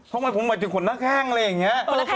เพราะมันเหมือนกับขนหน้าแข้งเลยอย่างนี้